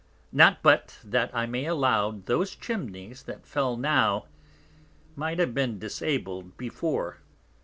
Not but that I may allow those Chimneys that fell now might have been disabled before.